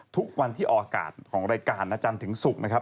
ทุกวันที่ออกอากาศของรายการนะจันทร์ถึงศุกร์นะครับ